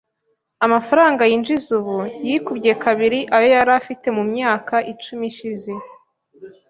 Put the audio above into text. Amafaranga yinjiza ubu yikubye kabiri ayo yari afite mu myaka icumi ishize .